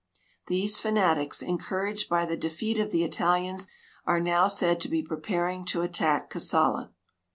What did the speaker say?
These fanatics, encouraged by the defeat of the Italians, are now said to be preparing to attack Kassala.